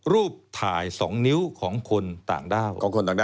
รูปถ่าย๒นิ้วของคนต่างด้าว